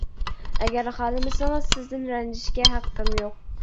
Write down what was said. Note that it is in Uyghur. ئەگەر خالىمىسىڭىز سىزدىن رەنجىشكە ھەققىم يوق.